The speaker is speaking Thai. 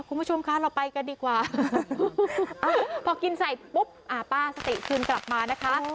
คุณผู้ชมคะเราไปกันดีกว่าพอกินใส่ปุ๊บอ่าป้าสติคืนกลับมานะคะ